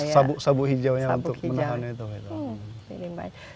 sabuk sabu hijaunya untuk menahan itu